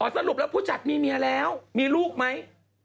สรุปแล้วผู้จัดมีเมียแล้วมีลูกไหม